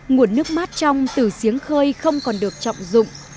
nguồn nước mát trong từ giếng khơi không còn được trọng dụng